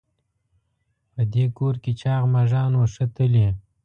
په دې کور کې چاغ مږان وو ښه تلي.